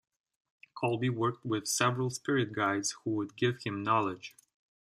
Colby worked with several spirit guides who would give him knowledge.